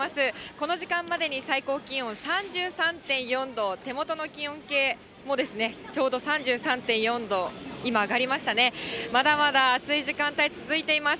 この時間までに最高気温３３．４度、手元の気温計もちょうど３３．４度、今上がりましたね、まだまだ暑い時間帯続いています。